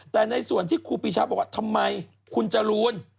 แต่ในส่วนที่ครูปีชาบอกว่าทำไมคุณจรูน